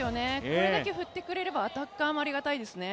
これだけ振ってくれればアタッカーもありがたいですね。